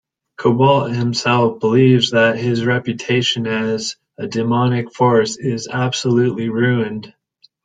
Kobalt himself believes that his reputation as a demonic force is absolutely ruined.